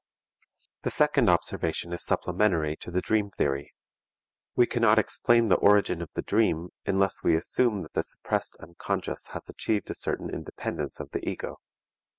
The second observation is supplementary to the dream theory. We cannot explain the origin of the dream unless we assume that the suppressed unconscious has achieved a certain independence of the ego.